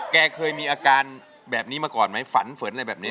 แกเคยมีอาการแบบนี้มาก่อนไหมฝันเฝินอะไรแบบนี้